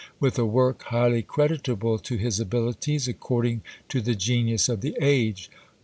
with a work highly creditable to his abilities, according to the genius of the age.